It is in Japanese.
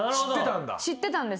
知ってたんだ？